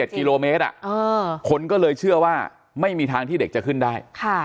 กิโลเมตรคนก็เลยเชื่อว่าไม่มีทางที่เด็กจะขึ้นได้